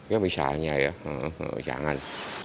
ya misalnya ya jangan